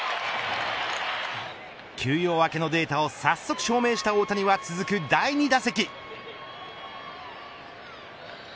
休養明けのデータを早速証明した大谷は続く第２打席。